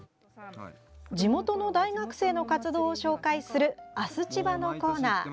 地元の大学生の活動を紹介する「あすちば」のコーナー。